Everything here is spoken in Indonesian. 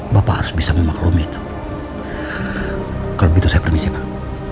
bapak harus bisa memaklumi itu kalau begitu saya permisikan